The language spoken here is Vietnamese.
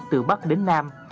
từ bắc đến nam